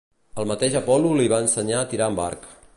El mateix Apol·lo li va ensenyar a tirar amb l'arc.